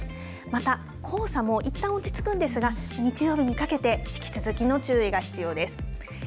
また黄砂もいったん落ち着くんですが日曜日にかけて引き続きの注意が必要です。